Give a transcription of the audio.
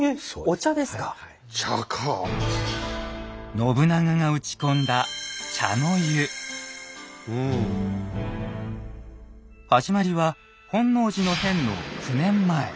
信長が打ち込んだ始まりは本能寺の変の９年前。